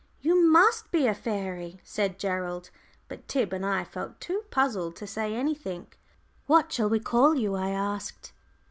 "You must be a fairy," said Gerald. But Tib and I felt too puzzled to say anything. "What shall we call you?" I asked.